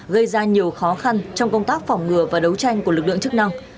gây ra nhiều khó khăn trong công tác phòng ngừa và đấu tranh của lực lượng chức năng